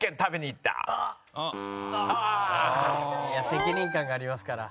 いや責任感がありますから。